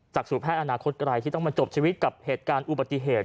สู่แพทย์อนาคตไกลที่ต้องมาจบชีวิตกับเหตุการณ์อุบัติเหตุ